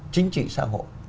chính trị xã hội